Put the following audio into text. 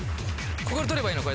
ここで撮ればいいの？